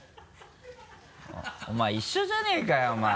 お前一緒じゃねぇかよお前。